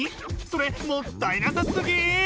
それもったいなさすぎ！